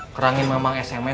kerangin sama emang sms